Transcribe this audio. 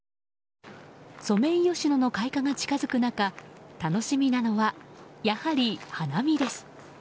ソメイヨシノの開花が近づく中楽しみなのはやはり花見です。